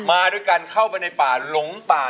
มาด้วยกันเข้าไปในป่าหลงป่า